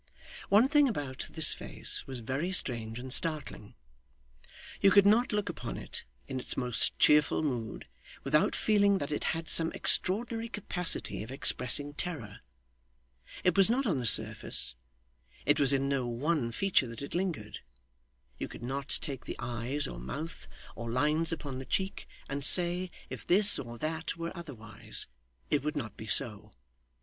One thing about this face was very strange and startling. You could not look upon it in its most cheerful mood without feeling that it had some extraordinary capacity of expressing terror. It was not on the surface. It was in no one feature that it lingered. You could not take the eyes or mouth, or lines upon the cheek, and say, if this or that were otherwise, it would not be so.